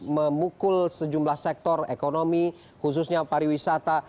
memukul sejumlah sektor ekonomi khususnya pariwisata